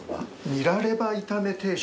ニラレバ炒め定食。